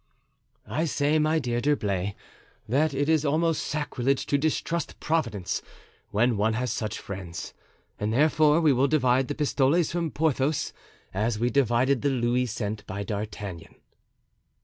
"I say, my dear D'Herblay, that it is almost sacrilege to distrust Providence when one has such friends, and therefore we will divide the pistoles from Porthos, as we divided the louis sent by D'Artagnan."